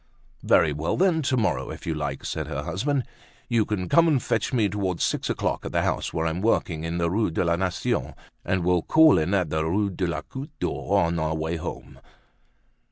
"Very well, then, to morrow, if you like," said her husband. "You can come and fetch me towards six o'clock at the house where I'm working, in the Rue de la Nation, and we'll call in at the Rue de la Goutte d'Or on our way home."